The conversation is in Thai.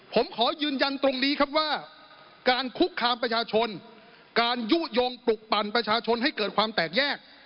ผมขอยืนยันตรงนี้ครับว่าการคุกคามประชาชนการยุโยงปลุกปั่นประชาชนให้เกิดความแตกแยก